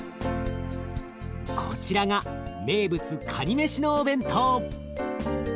こちらが名物かにめしのお弁当。